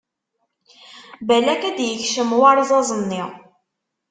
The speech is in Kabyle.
Balak ad d-yekcem warẓaz-nni!